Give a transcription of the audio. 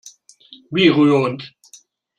Wie rührend!